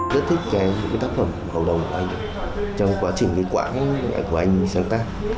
rất thích những tác phẩm màu đồng của anh trong quá trình quảng của anh sáng tác